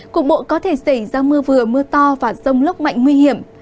cục bộ có thể xảy ra mưa vừa mưa to và rông lốc mạnh nguy hiểm